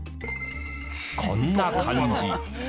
こんな感じ。